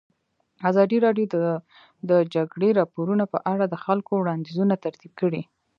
ازادي راډیو د د جګړې راپورونه په اړه د خلکو وړاندیزونه ترتیب کړي.